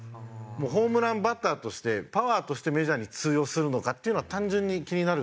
ホームランバッターとしてパワーとしてメジャーに通用するのかっていうのは単純に気になる。